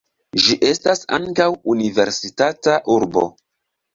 Ĝi estas ankaŭ universitata urbo.